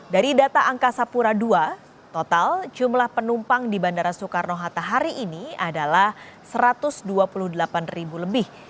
dari data angkasa pura ii total jumlah penumpang di bandara soekarno hatta hari ini adalah satu ratus dua puluh delapan ribu lebih